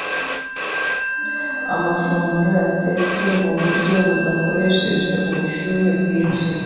amafunguro yatetswe mu buryo budakoresha ubushyuhe bwinshi